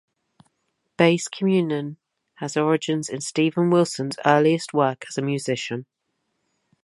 "Bass Communion" has origins in Steven Wilson's earliest work as a musician.